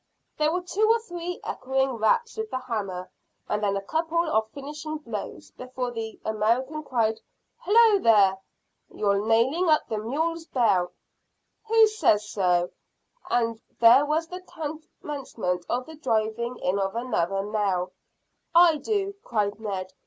There were two or three echoing raps with the hammer, and then a couple of finishing blows, before the American cried "Hallo, there!" "You're nailing up the mule's bell." "Who says so?" and there was the commencement of the driving in of another nail. "I do," cried Ned.